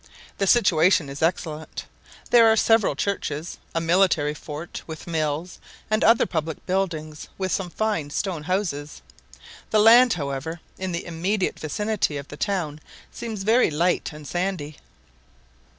The situation is excellent. There are several churches, a military fort, with mills, and other public buildings, with some fine stone houses. The land, however, in the immediate vicinity of the town seems very light and sandy.